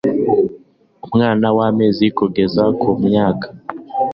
umwana wamezi kugeza ku myaka